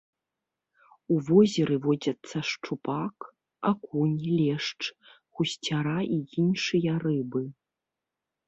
У возеры водзяцца шчупак, акунь, лешч, гусцяра і іншыя рыбы.